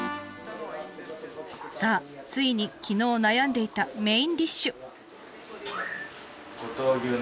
さあついに昨日悩んでいたメインディッシュ。